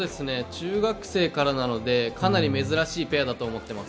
中学生からなのでかなり珍しいペアだと思ってます。